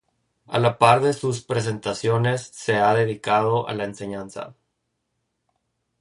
A la par de sus presentaciones, se ha dedicado a la enseñanza.